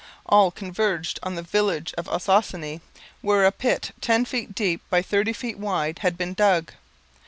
All converged on the village of Ossossane, where a pit ten feet deep by thirty feet wide had been dug.